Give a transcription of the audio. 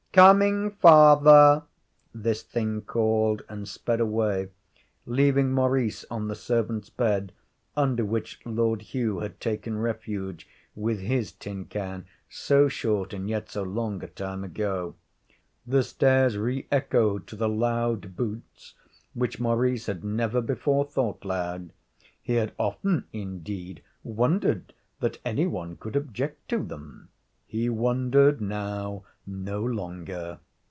'Coming, father,' this thing called, and sped away, leaving Maurice on the servant's bed under which Lord Hugh had taken refuge, with his tin can, so short and yet so long a time ago. The stairs re echoed to the loud boots which Maurice had never before thought loud; he had often, indeed, wondered that any one could object to them. He wondered now no longer.